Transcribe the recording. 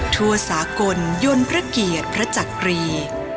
ทั่วสากลยนต์พระเกียรติพระจักรี